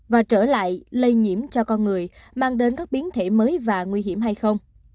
và trở lại lây nhiễm cho con người mang đến các biến thể mới và nguy hiểm hay không